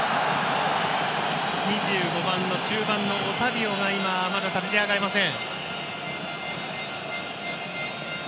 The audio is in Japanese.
２５番の中盤のオタビオがまだ立ち上がれません。